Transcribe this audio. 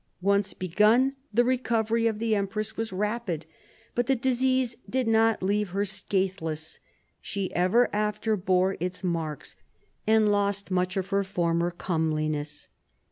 Once begun, the recovery of the empress was rapid, but the disease did not leave her scathless ; she ever after bore its marks, and lost much of her former comeliness.